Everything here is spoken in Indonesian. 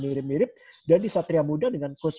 mirip mirip dan di satria muda dengan coach